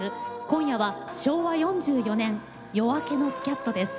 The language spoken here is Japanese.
今夜は昭和４４年「夜明けのスキャット」です。